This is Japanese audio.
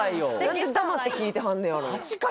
何で黙って聞いてはんねやろ？